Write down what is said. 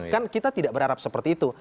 kan kita tidak berharap seperti itu